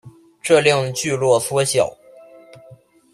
这令聚落缩小。